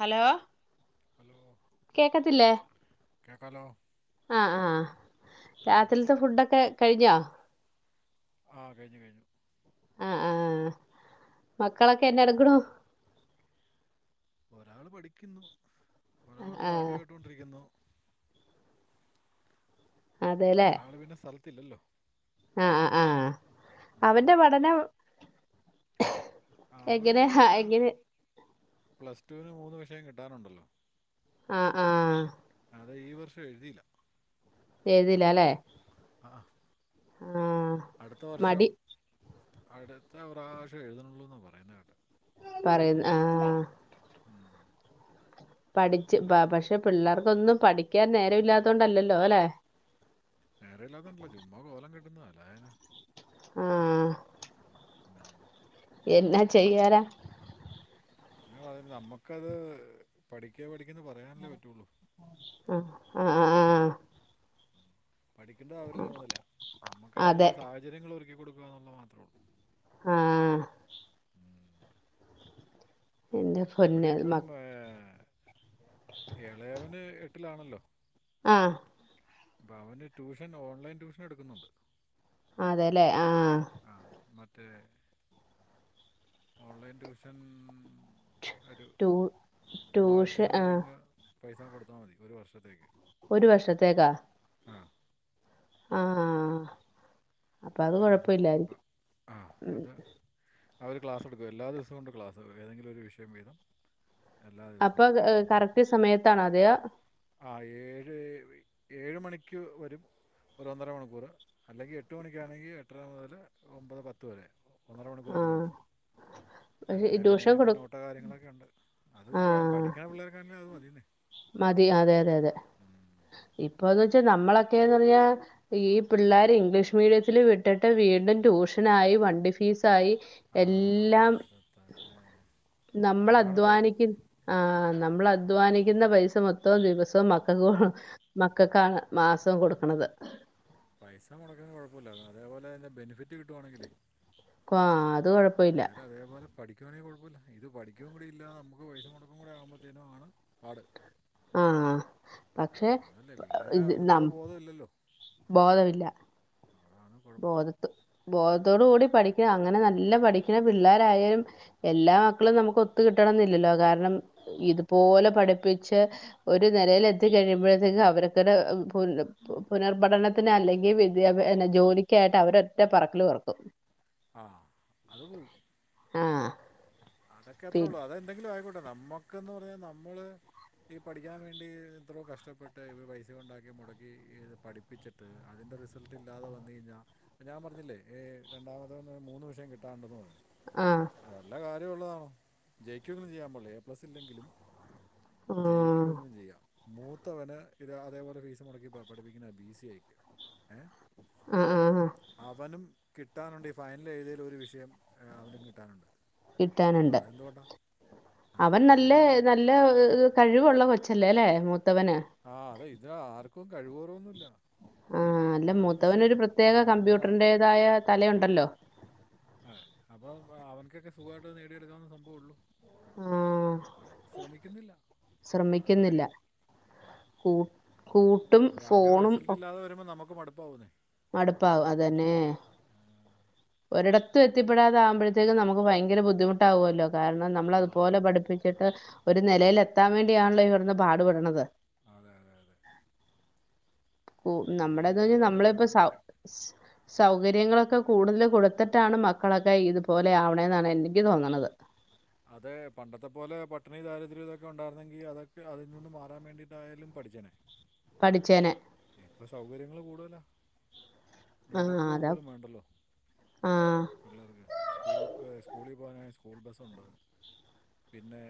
Hello. Hello. കേക്കത്തില്ലേ? കേക്കാല്ലോ ആഹ് ആഹ് ആഹ് ഉം. രാത്രിൽത്തെ ഫുഡൊക്കെ കഴിഞ്ഞോ ആഹ് കഴിഞ്ഞു കഴിഞ്ഞു ആഹ് ആഹ് മക്കളൊക്കെ എന്നാടുക്കണു ഒരാള് പഠിക്കുന്നു ഒരാള് പാട്ട് ആഹ് കേട്ടോണ്ടിരിക്കുന്നു അതെല്ലേ ഒരാള് പിന്ന സ്ഥലത്തില്ലല്ലോ ആഹ് ആഹ് ആഹ് ഉം. അവന്റെ പഠനം എങ്ങനെ ഹാ എങ്ങനെ പ്ലസ്ടുവിന് മൂന്ന് വിഷയം കിട്ടാനുണ്ടല്ലോ ആഹ് ആഹ് അതെ ഈ വർഷം എഴുതീല്ല എഴുതീല്ല അല്ലേ ആഹ് ആഹ് ആഹ് അടുത്ത വർഷം മടി അടുത്ത പ്രാവശവെ എഴുതുന്നുള്ളൂ എന്ന് പറയുന്ന കേട്ടെ പറയുന്ന ആഹ് ഉം. പഠിച്ച് പ ഏല- പക്ഷെ പിള്ളേർക്കൊന്നും പഠിക്കാൻ നേരം ഇല്ലാത്തൊണ്ടല്ലല്ലോ അല്ലെ നേരം ഇല്ലാത്തത് കൊണ്ടല്ല ചുമ്മാ കോലം കെട്ടുന്നതാ അല്ലാതെന്നാ ആഹ് എന്നാ ചെയ്യാനാ അങ്ങനെ പറയുന്ന നമ്മുക്കത് പഠിക്ക് പഠിക്കെന്ന് പറയാനല്ലേ പറ്റൂള്ളൂ ആഹ് ആഹ് ആഹ് പഠിക്കണ്ടത് അവരുടെ ചുമതലയാ നമുക്ക് അതെ അതിനുള്ള സാഹചര്യങ്ങള് ഒരുക്കി കൊടുക്കുക എന്നുള്ളത് മാത്രേ ഉള്ളൂ ആഹ് ഉം. എന്റെ ഇവിടെ പൊന്ന് ഇപ്പം മ ഏഹ് എളയവന് എട്ടിലാണല്ലോ ആഹ് അപ്പ അവന് ട്യൂഷൻ ഓൺലൈൻ ട്യൂഷൻ എടുക്കുന്നുണ്ട് അതേല്ലേ ആഹ് ആഹ് മറ്റേ ഓൺലൈൻ ട്യൂഷൻ ഒരു ടൂ മൂവായിരത്തി ട്യൂഷൻ ആ സംതിങ് പൈസ കൊടുത്താ മതി ഒരു വർഷത്തേക്ക് ഒരു വർഷത്തേക്കാ ആഹ് ആഹ് അങ്ങനൊരു സംഭവവാ അപ്പ ആ ഉം അത് അവര് ക്ലാസെടുക്കും എല്ലാ ദിവസവും ഉണ്ട് ക്ലാസ് ഏതെങ്കിലും ഒരു വിഷയം വീതം എല്ലാ ദിവസവും അപ്പൊ ഉണ്ട് കറക്റ്റ് സമയത്താണോ അതെയോ ആഹ് ഏഴ് ഏഴ് മണിക്ക് വരും ഒരു ഒന്നര മണിക്കൂർ അല്ലെങ്കിൽ എ എട്ട് മണിക്കാണെങ്കിൽ എട്ടര മുതല് ഒമ്പത് പത്ത് വരെ ഒന്നര മണിക്കൂർ ആ എല്ലാ ദിവസവും പക്ഷെ ഈ അങ്ങനെ പിന്നെ ട്യൂഷൻ അതിൻ്റെ കൊടു നോട്ടോ കാര്യങ്ങളൊക്കെ ഉണ്ട് അതും ആ പഠിക്കണ പിള്ളേർക്കാണേ അത് മതീന്നെ മതി അതെ അതെ അതെ ഇപ്പോന്ന് വെച്ചാ നമ്മളൊക്കെയെന്ന് പറഞ്ഞാ ഈ പിള്ളോര് ഇംഗ്ലീഷ് മീഡിയത്തില് വിട്ടിട്ട് വീണ്ടും ട്യൂഷനായി വണ്ടി ഫീസായി ആ എല്ലാം അത് തന്നെ നമ്മള് അതാണ് കുഴപ്പം അധ്വാനിക്കു ആഹ് നമ്മള് അധ്വാനി ക്കുന്ന പൈസ മൊത്തവും ദിവസവും മക്കക്ക് കൊ മക്കൾക്കാണ് മാസവും കൊടുക്കണത് പൈസ മുടക്കന്നതിന് കുഴപ്പവില്ല അതേപോലെ തന്നെ ബെനിഫിറ്റ് കിട്ടുവാണെങ്കിലെ ആഹ് അത് കുഴ പില്ലാരുംതേപോലെ പഠിക്കുവാണെങ്കിൽ കുഴപ്പമില്ല ഇത് പഠിക്കുകയും കൂടി ഇല്ല നമുക്ക് പൈസ മുടക്കും കൂടി ആവുമ്പോഴത്തേനുംണ് പാട് ആ [unintelligible] ആഹ പക്ഷെ അതല്ലേ പിള്ളേര് ഇത് അതിന്റെ നം ബോധം ഇല്ലല്ലോ അതാണ് കുഴപ്പം ബോധ ബോധത്തോടു ആ, കൂടി പഠിക്കണ അങ്ങനെ നല്ല പഠിക്കണ പിള്ളോരായാലും എല്ലാ മക്കളും നമുക്ക് ഒത്ത കിട്ടണം എന്നില്ലല്ലോ കാരണം ഇതുപോലെ പഠിപ്പിച്ച് ഒരു നിലൽ എത്തി കഴിയുമ്പോഴത്തേക്കും അവരതന്നെ [unintelligible] പുനർപഠനത്തിന് അല്ലെങ്കിൽ വിദ്യാഭ്യ ജോലിക്കായിട്ട് അവരൊറ്റ പറക്കില് പറക്കും ആഹ് അത് പോവും ആഹ അതൊക്കെ അത്രേ ഉള്ളൂ അതെന്തെങ്കിലും ആയിക്കോട്ടെ നമ്മുക്ക്ന്ന് പറഞ്ഞ നമ്മള് ഈ പഠിക്കാൻ വേണ്ടി എത്രയോ കഷ്ടപ്പെട്ട് ഇർ പൈസ കൊണ്ടാക്കി മുടക്കി പഠി പപ്പിച്ചിട്ട് തിൻ്റെ റിസൾട്ട ഇല്ലാതെ വന്നു കഴിഞ്ഞാൽ ഇപ്പൊ ഞാൻ പറഞ്ഞില്ലേ രണ്ടാമത ഒന് മൂന്ന് വിഷയം കിട്ടാണ്ടന്നത് ആഹ വല്ല കാര്യമള്ളതാണോ ജെയക്കൂനൊന്നും ചെയ്യാൻ പോണില്ല എ പ്ലസ് ഇല്ലെങ്കിലും ജയിക്കുവ ആഹ് എങ്ങനും ചെയ്യാം മൂത്തവന് ഇത് അതേപോലെ ഫീസ് മുടക്കി പഠിപ്പിക്കുന്ന ബി സി ആയിക്ക് ഏഹ് ആഹ് ആഹ് അവനും കിട്ടാനുണ്ട് ഈ ഫൈനൽ എഴുതിൽ ഒരു വിഷയം അവനും കിട്ടാനുണ്ട് അപ്പോൾ കിട്ടാനുണ്ട് അതെന്തുകൊണ്ടാണ് ആ അവൻ നല്ല അതെന്തുകൊണ്ടാണ് നല്ല കഴിവുള്ള കൊച്ചല്ലേ അല്ലേ മൂത്തവന് ആഹ് അത ഇതി ആർക്കും കഴിവോ കുറവൊന്നുമല്ല ആഹ് അല്ല മൂത്തവനൊ ഒരു പ്രത്യേക നമ്മക്ക കമ്പ്യൂട്ടറിറേതായ തലയുണ്ടല്ലോ അതെ അപ്പ അവനക്കൊക്കെ സുഖമായിട്ട് നേടിയെടുക്കാവുന്ന സംഭവംള്ളു ആഹ് അൾ ശ്രമിക്കുന്നില്ല അതാണ് ശ്രമിക്കുന്നില്ല കാര്യം ആഹ് കൂ കൂട്ടും അപ്പൊ അങ്ങനെ ഫോണും റിസൾട്ട് ഒ ഇല്ലാതെ വരുമ്പോൾ നമുക്ക് മടുപ്പാവുന്നേ മടുപ്പാവും അതന്നെ ഒരിടത്ത് എത്തിപ്പെടാതെകുമ്പോഴത്തേക്ക നമുക്ക് ഭയങ്ക ബുദ്ധിമുട്ടാവുമല്ലോ കാരണം നമ്മള ആ അതുപോലെ ഉം. പഠിപ്പിച്ചിട്ട് ഒരു നിലെൽത്താൻ വേണ്ടിയാണല്ലോ ഇകെടുന്ന് പാടുപെടണത് അതെ അതെ അതെ കൂ അപ്പൊ നമ്മുടെന്ന് ഒന്നുമില്ലാതെ പറഞ്ഞാൽ നമ്മളിപ്പോ വരുമ്പോഴാണ് വിഷം [unintelligible] സൗകര്യങ്ങളൊക്കെ കൂടുതൽ കൊടുത്തിട്ടാണ് മക്കളൊക്കെ ഇതുപോലെ ആവണെന്നാണ് എനിക്ക് തോന്നണുന്നത് അതെ പണ്ടത്തെ പോലെ പട്ടണി ദാരിദ്ര്ം ഇതൊക്കെ ഉണ്ടായിരുന്നെങ്കി അതൊക്കെ അതിൽ നിന്നന്ന് മാറാൻ വേണ്ടിയിട്ടായാലും പഠിച്ചേനെ പഠിച്ചേന ഇപ്പ സൗകര്യങ്ങള്ൾ കൂടുതല ആഹ് നടക്ക അതാ പോലും വേണ്ടല്ലോ ആഹ് പിള്ളേർക്ക് സ്കൂൾ സ്കൂളി പോകാനാണെ സ്കൂൾ ബസ്സുണ്ട് പിന്നേ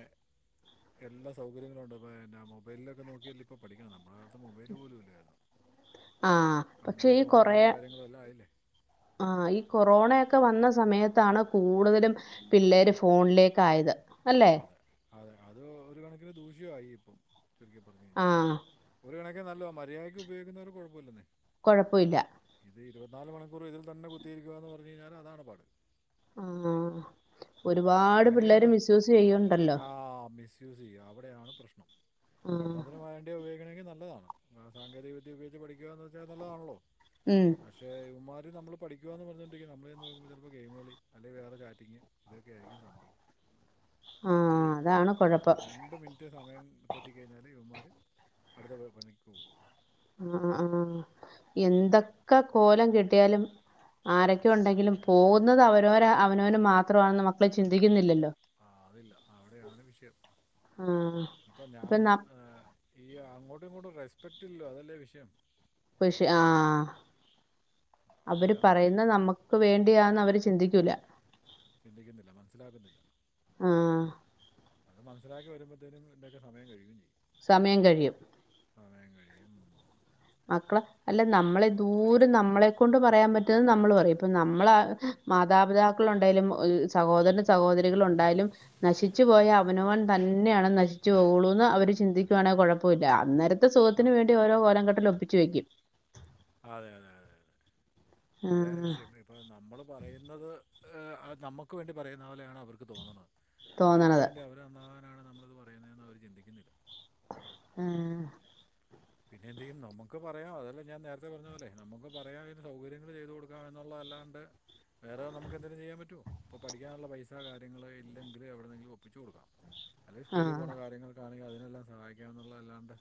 എല്ലാ സൗകര്യങ്ങളുണ്ട് പ്പന്ന മൊബൈലിലൊക്കെ നോക്കിയല്ലെ ഇപ്പൊ പഠിക്കണെ നമ്മുടെ കാലത്ത് മൊബൈല് പോലും ഇല്ലായിരുന്നു ആഹ് പക്ഷേ കംപ്ലീറ്റ് ഈ ഓൺലൈനും കൊറയെ കാര്യങ്ങളും എല്ലാം ആയില്ലേ ആഹ് ഈ കൊറോണയൊക്കെ വന്ന സമയത്താണ് കൂടുതലും പിള്ളേര് ഫോണിലേക്കായത് അല്ലെ അതെ അതെ അത് ഒരു കണക്കിന് ദൂഷ്യ ആയി ഇപ്പം ചുരുക്കി പറഞ്ഞു കഴിഞ്ഞ ആഹ് ഒരു കണക്കി നല്ലോ മര്യാദയ്ക്ക് ഉപയോഗിക്കുന്നോനു കുഴപ്പല്ലെന്നേ കൊഴപ്പൊല്ല ഇത് ഇരുപത്നാല് മണിക്കൂറും ഇതിൽ തന്നെ കുത്തിയിരിക്കുകന്ന് പറഞ്ഞു കഴിഞ്ഞാല് അതാണ് പാട് ആഹ് ഉം, ഒരുപാട് പിള്ളേര് അങ്ങനെയുണ്ട് മിസ്യൂസ് ചെയ്യ ആ മിസ്യൂസ് ചെയ്യും അവിടെയാണ് പ്രശ്നം ആഹ് പഠനത്തിന് വ വേണ്ടി ഉപയോഗിക്കണങ്കി നല്ലതാണ് സാങ്കേതിക വിദ്യ ഉപയോഗിച്ച് പഠിക്കുകന്ന് വെച്ച നല്ലതാണല്ലോ ഉം പക്ഷേ ഇവന്മാര് നമ്മള് പഠിക്കുകന്ന് പറഞ്ഞോണ്ടിരിക്കും. നമ്മള് ചെന്ന് നോക്കുമ്പ ചെലപ്പോ ഗെയിമ് കളി അല്ലെ വേറെ ചാറ്റിംഗ് ഇതൊക്കെ ആയിരിക്കും സംഭവം ഒരു ആഹ് അതാണ് ആഹ് കൊഴപ്പം രണ്ട് മിനിറ്റ് റ്റ് സമയം തെറ്റിക്കഴിഞ്ഞാല് ഇവന്മാര് അടുത്ത പണിക്ക് പോവും ആഹ് ആഹ് എന്തക്കെ കോലം കെട്ടിയാലും ആരൊക്കെ ഉണ്ടെങ്കിലും പോകുന്നത് അവരോര അവനവന് മാത്രമാണെന്ന് മക്കള് ചിന്തിക്കുന്നില്ലല്ലോ ആ അതില്ല അവിടെയാണ് വിഷയം ആഹ് ഇപ്പൊ ഞാൻ ഏ ഈ അങ്ങോട്ടു ഇങ്ങോട്ടു റെസ്പെക്റ്റ് ഇല്ല അതല്ലേ വിഷയം പഷെ ഏ? ആഹ് അവര് അവിടെയാണ് വിഷയം പറയുന്ന നമ്മക്ക് വേണ്ടിയാന്ന് അവര് ചിന്തിക്കൂല്ല ചിന്തിക്കുന്നില്ല മനസ്സിലാക്കുന്നില്ല ആഹ് അത് മനസ്സിലാക്കി വരുമ്പത്തേനും ഇതി ന്റൊക്കെ സമയം കഴുയോം ചെയ്യും സമയം കഴിയും സമയം കഴിയും മക്കളെ അല്ല നമ്മളെ ദൂരെ നമ്മളെ ക്കൊണ്ട് പറയാൻ പറ്റുന്ന നമ്മള് പറയും ഇപ്പൊ നമ്മള മാതാപിതാക്കളുണ്ടേലും സഹോദര സഹോദരികളുണ്ടായാലും നശിച്ചു പോയ അവനവൻ തന്നെയാണ് നശിച്ചു പോകുള്ളൂന്ന് അവര് ചിന്തിക്കുവാണെ കുഴപ്പുല്ല അന്നേര ത്തെ സുഖത്തിന് കുഴ- വേണ്ടി ഓരോ കോലം കെട്ടലൊപ്പിച്ച് വയ്ക്കും ആഹ് അതെ അതെ അതെ അതെ അവിടെയാണ് വിഷയം വരു നമ്മള് പറയുന്നത് നമുക്ക് വേണ്ടി പറയുന്ന പോലെയാണ് അവർ ക്ക് തോന്നണെ അവർക്ക് തോന്നണത് വേണ്ടി അവര് നന്നാകാനാണ് നമ്മളത് പറയുന്നെന്ന് അവര് ചിന്തിക്കുന്നില്ല ആഹ് പിന്നെന്ത് ചെയ്യും നമുക്ക് പറയാ അതല്ല ഞാൻ നേരത്തെ പറഞ്ഞ പോലെ നമുക്ക് പറയാം അതിന് സൗകര്യങ്ങള് ചെയ്ത് കൊട് എന്നുള്ളതല്ലാണ്ട് വേറെ നമുക്ക് എന്തേലും ചെയ്യാൻ പറ്റൊ ഇപ്പ പഠിക്കാനുള്ള പൈസ കാര്യങ്ങള് ഇല്ലെങ്കിലും എവിടെന്നെങ്കിലും ഒപ്പിച്ചു കൊടുക്കം അല്ലെൽ ആ സ്കൂളിൽ പോണ കാര്യങ്ങൾക്കാണെങ്കിൽ അതിനെല്ലാം സഹായിക്കാം എന്നുള്ളതല്ലാണ്ട്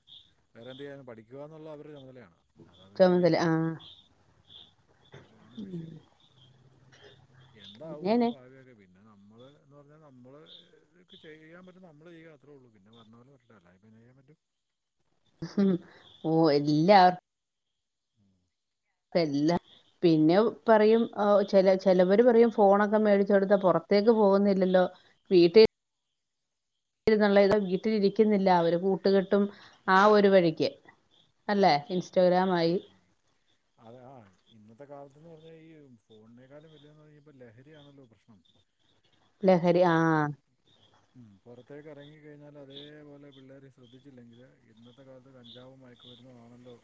വേറെ എന്ത് ചെയ്യാന പഠിക്കുകന്നുള്ളത് അവരുടെ ചുമതലയാണ് അത് അവർ ചുമതല ചെയ്യുന്നില്ല ആഹ് അവിടെയാണ് ഉം വിഷയം എന്താവോ ഭാവിയൊക്കെ പി പിന്ന നമ്മള് എന്ന് പറഞ്ഞാ നമ്മള് ചെയ്യാൻ പറ്റുന്ന നമ്മള് ചെയ്യുക അത്രേ ഉള്ളൂ പിന്നെ വരണ പോലെ അല്ലായിപ്പോ എന്നാ ചെയ്യാൻ പറ്റും ഓഹ് എല്ലാവർ ഉം എല്ലാ പിന്നെ പറയും ചില ചിലവർ പറയും ഫോണൊക്കെ മേടിച്ചെ കൊടുത്താൽ പുറത്തേക്ക് പോകുന്നില്ലല്ലോ വീട്ടിൽ [unintelligible] വീട്ടിലിരിക്കുന്നില്ല അവര് കൂട്ടുകെട്ടും ആ ഒരു വഴിക്ക് അല്ലെ ഇൻസ്റ്റഗ്രാം ആയി അതെ ആഹ് ഇന്നത്തെ കാലത്ത്ന്ന് പവ ഞ്ഞാ ഈ ഫോണിനേക്കാും വല്ലന്ന് പറഞ്ഞ ഇപ്പോൾ ലഹരിയാണല്ലോ പ്രശ്നം [inaudible] ലഹരി ആഹ് [inaudible] ഉം പൊറത്തേക്കെറങ്ങി കഴിഞ്ഞാൽ അതേപോലെ പിള്ളേരെ ശ്രദ്ധിച്ചില്ലെങ്കില് ഇന്നത്തെ കാലത്ത് കഞ്ചാവും മയ ക്ക്‌ മരുന്നും ആണല്ലോ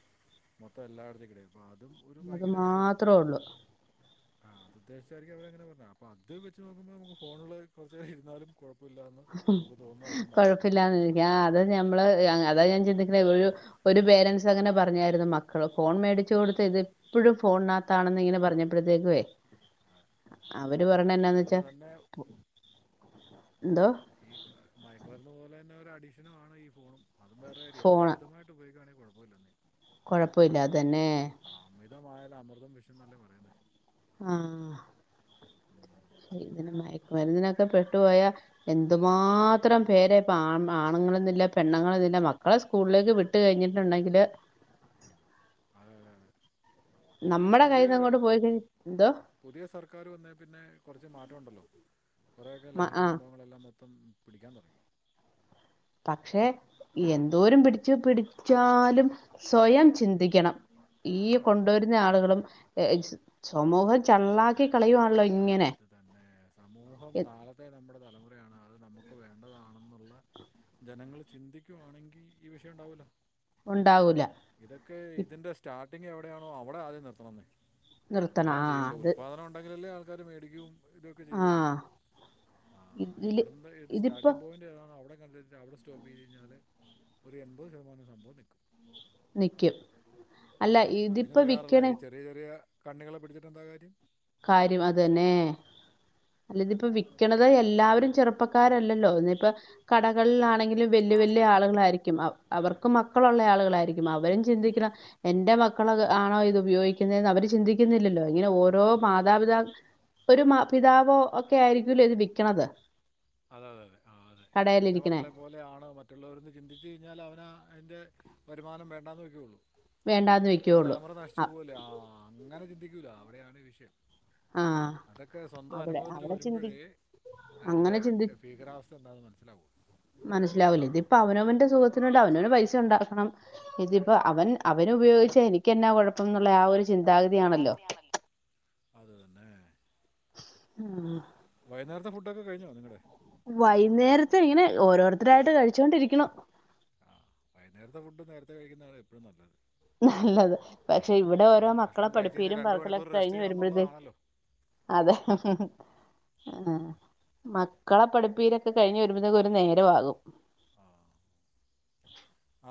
മൊത്തം എല്ലായിടത്തേക്കിടെ അപ്പൊ അതും ഒരു അത് ഭയങ്കര വിഷയമാണ് മാത്രേ ഉള്ളൂ ആഹ് അത് ഉദ്ദേശിച്ചായിരിക്കും അവരങ്ങനെ പറഞ്ഞ അപ്പൊ അത് വെച്ച് നോക്കുമ്പം നമുക്ക് ഫോൺല് കൊർച്ചേരം ഇര്ന്നാലും കൊഴപ്പല്ലാന്ന് നമുക്ക് തോന്നുന്നത് അത് കൊണ്ടാണ് [unintelligible] അത് ഞമ്മള് അതാ ഞാൻ ചിന്തിക്ക്ണെ ഒരു ഒരു പേരൻറ്സ് അങ്ങനെ പറഞ്ഞായിരുന്നു മ ക്കള് ഫോൺ മേടിച്ചു ആ കൊടുത്ത ഇത് എപ്പഴും ഫോൺനാത്താണെന്ന് ഇങ്ങനെ പറഞ്ഞപ്പൊഴത്തേക്കുവേ ആ അവര് അതെ പറിണ എന്നാന്ന് അതേപോലെ വെച്ചാ തന്നെ ന്തോ ഈ മയക്ക് മരുന്ന് പോലെന്നെ ഒരു അഡീഷനു ആണ് ഈ ഫോണും അതും വേറെ കാര്യ എല്ലാം മിതമായിട്ട് ഉപയോഗിക്കുവാണെങ്കി കുഴപ്പമില്ലന്നേ കൊഴപ്പമില്ലാതെന്നെ ആ അമിതമായാൽ അമൃതം വിഷം ന്നല്ലേ പറയ്ന്നേ ആഹ് ഉം. ഇതിന് മയക്ക് മര്ന്നിനൊക്കെ പെട്ടുപോയാ എന്തുമാത്രം പേരെ ഇപ്പ ആ ആണുങ്ങളൊന്നില്ല പെണ്ണങ്ങളിന്നില്ല മക്കളെ സ് സ്കൂൾലേക്ക് വിട്ട് കഴിഞ്ഞിട്ട്ണ്ടെങ്കില് ആഹ് അതെതെതെ നമ്മടെ കയ്യിന്ന്ങ്ങോട്ട് പോയിക്ക എന്തോ പുതിയ സർക്കാർ വന്നേ പിന്നെ കൊർച്ച് മാറ്റ ഉണ്ടല്ലോ കൊറേയൊക്കെ ലഹരി ആ സംഭവങ്ങളെല്ലാം മൊത്തം പിടിക്കാൻ തൊടങ്ങി പക്ഷേ എന്തോരം പിടിച്ചു പിടിച്ചാലും സ്വയം ചിന്തിക്കണം ഈ അത് വേണം കൊണ്ടുവര്ന്ന ആളുകളും സമൂഹം ചള്ളാക്കി കളയു ആഹ് അത് തന്നെ സമൂഹം നാളത്തെ നമ്മുടെ തലമുറയാണ് അത് നമുക്ക് വേണ്ടതാണെന്നുള്ള ജനങ്ങൾ ചിന്തിക്കുവാണെങ്കി ഈ വിഷയം ഉണ്ടാവൂല്ല ഉണ്ടാവൂല ഇതൊക്കെ ഇതിന്റെ സ്റ്റാർട്ടിങ്‌ എവിടെയാണോ അവിടെ ആദ്യം നിർത്തണം ന്നേ നിർത്തണം അതാ ആ ചെയ്യണ്ടെ അത് ഉല്പാദനം ഉണ്ടെങ്കിലല്ലേ ആൾക്കാര് മേടിക്കും ഇതൊക്കെ ആ ചെയ്യുള്ളൂ ആഹ് ഇതില് എവിടെന്ന് ഏത് ഇതിപ്പോ സ്റ്റാട്ടിംഗ് പോയിന്റ് ഏതാണോ അവിടെ [unintelligible] അവിടെ സ് റ്റോപ്പ് ചെയ്ത് കഴിഞ്ഞാല് ഒരു എൺപത് ശതമാനം സംഭവം നിക്കും നിക്കും അല്ല അതിന് ഇതിപ്പ തയ്യാറല്ല വിക്കണേ ഈ ചെറിയ ചെറിയ കണ്ണികളെ പിടിച്ചിട്ടെന്താ കാര്യം കാര്യം അതന്നേ അല്ല ഇത് ഇപ്പ വിക്കണത് എല്ലാവരും ചെറുപ്പക്കാരല്ലല്ലോ ഒന്നിപ്പ കടകളിലാണെങ്കിലും വല്യ വല്യ ലാണെങ്കിലും ആളുകളായിരിക്കും അവർക്ക് മക്കളുള്ള ആളുകളായിരിക്കും അവരും ചിന്തിക്കണം എന്റെ മക്കള ആണോ ഇത് ഉപയോഗിക്കുന്നേന്ന് അവര് ചിന്തിക്കുന്നില്ലല്ലോ ഇങ്ങനെ ഓരോ ആ മാതാപിതാ ഒരു മാ പിതാവോ ഒക്കെ ആയിരിക്കൂല്ലേ ഇത് വിക്കണത് അതെ തെ അതെ ആ അതെ എന്റെ കടയിലിരിക്കണേ മക്കളെ പോലെ ആണ് മറ്റ്ള്ളവര്ന്ന് ചിന്തിച്ച് കഴിഞ്ഞാൽ അവരാ അയിൻ്റെ വരുമാനം വേണ്ടാന്ന് വെക്യൂയുള്ളൂ വേണ്ടാന്ന് ഒര് വെക്കുള്ളൂ തലമുറ നശിച്ചു ആ പോവല്ലേ ആഹ് അങ്ങനെ ചിന്തിക്കൂല അവിടെയാണ് ഈ വിഷയം ആ, അതെക്കേ സ്വന്തം അവിടെ അനുഭവത്തില് അവിടെ ചിന്തി വരുമ്പഴേ അയിന്റെ അങ്ങനെ ഭീകരാവസ്ഥ എന്താന്ന് മസ്സിലാവുളൂ മനസ്സിലാവുല്ലേ ഇതിപ്പൊ അവനവന്റെ സുഗത്തിനല്ല അവനവന് പൈസ ഇണ്ടാക്കണം ഇതിപ്പോ അവൻ അവനുപയോഗിച്ചാ എനിക്കെന്നാ കൊഴപ്പംന്ന്ള്ളെ ആ ഒര് ചിന്താഗതിയാ ചിന്താഗതിയാണല്ലോ. അത് തന്നെ മ് ആ വൈനേരത്തെ ഫുഡൊക്കെ കഴിഞ്ഞോ നിങ്ങടെ? വൈന്നേരത്തെ ഇങ്ങനെ ഓരോരുത്തരായിട്ട് കഴിച്ചൊണ്ടിരിക്കുണു അഹ് വൈന്നേരത്തെ ഫുഡ് നേരത്തെ കഴിക്കുന്നതാണ് എപ്പൊഴും നല്ലത്. നല്ലത് പക്ഷെ ഇവിടെ ആ ഓരോ മക്കളെ ഭക്ഷണം കഴിച്ച് കഴിഞ്ഞാൽ പഠിപ്പീരും രണ്ട് പറക്കലൊക്കെ മണിക്കൂർ റെസ്റ്റ് കഴിഞ്ഞ് ചെയ്യണം വരുമ്പോഴത്തെക്ക് എന്നുള്ളതാണല്ലോ അതെ ഹ് ഹ് ഹ് ആ മക്കളെ പഠിപ്പീരെക്കെ കഴിഞ്ഞ് വരുമ്പതേക്കും ഒരു നേരവാകും. ആഹ്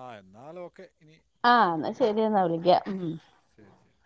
ആ എന്നാലോക്കെ ഇനി ആഹ് എന്ന ശെരിയെന്നാ വിളിക്കാം ഉം ശെരി ശെരി